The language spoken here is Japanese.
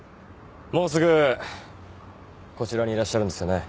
「もうすぐこちらにいらっしゃるんですよね」。